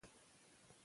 دوی به یې مړی ښخ کړي.